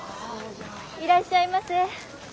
いらっしゃいませ。